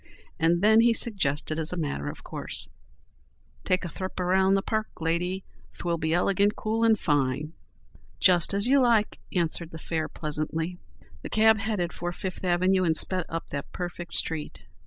And then he suggested as a matter of course: "Take a thrip around in the park, lady. 'Twill be ilegant cool and fine." "Just as you like," answered the fare, pleasantly. The cab headed for Fifth avenue and sped up that perfect street.